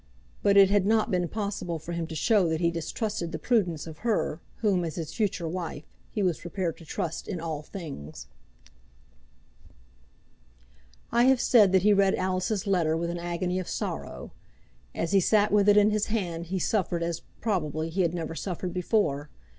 But it had not been possible for him to show that he distrusted the prudence of her, whom, as his future wife, he was prepared to trust in all things. I have said that he read Alice's letter with an agony of sorrow; as he sat with it in his hand he suffered as, probably, he had never suffered before.